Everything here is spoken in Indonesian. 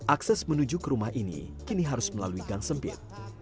akses menuju ke rumah ini kini harus melalui gang sempit